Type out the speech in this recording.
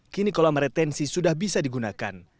kini kolam retensi sudah bisa digunakan